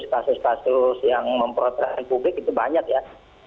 kasus kasus yang memperoleh perhatian publik itu banyak ya